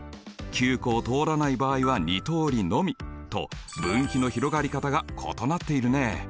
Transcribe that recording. Ｑ湖を通らない場合は２通りのみと分岐の広がり方が異なっているね。